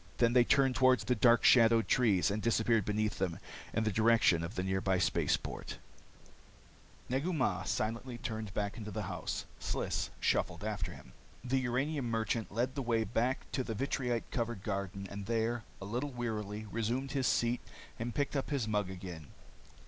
Then they turned toward the dark shadowed trees and disappeared beneath them, in the direction of the nearby space port. Negu Mah silently turned back into the house. Sliss shuffled after him. The uranium merchant led the way back to the vitrite covered garden and there, a little wearily, resumed his seat and picked up his mug again.